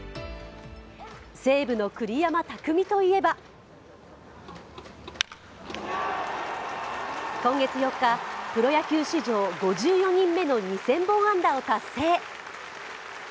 西武の栗山巧といえば、今月４日、プロ野球史上５４人目の２０００本安打を達成。